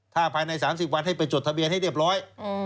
ถ้าภายใน๓๐วันให้ไปจดทะเบียนให้เรียบร้อย